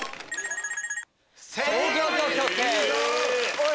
おい！